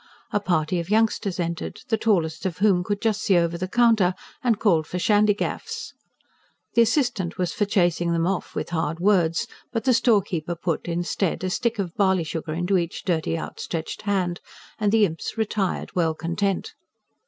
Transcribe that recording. A party of youngsters entered, the tallest of whom could just see over the counter, and called for shandygaffs. The assistant was for chasing them off, with hard words. But the storekeeper put, instead, a stick of barley sugar into each dirty, outstretched hand, and the imps retired well content.